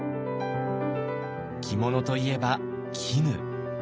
着物といえば絹。